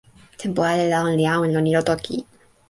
tenpo ale la ona li awen lon ilo toki.